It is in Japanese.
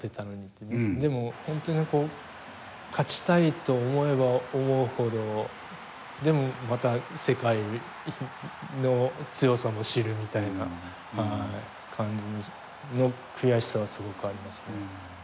でも本当に勝ちたいと思えば思うほどでも、また世界の強さも知るみたいな感じの悔しさはすごくありますね。